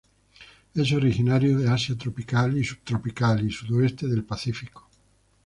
Es originario de Asia tropical y subtropical y sudoeste del Pacífico.